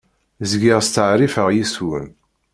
Zgiɣ steɛṛifeɣ yes-wen.